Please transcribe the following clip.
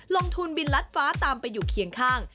ลงทุนบินลัดฟ้าตามไปอยู่เคียงข้าง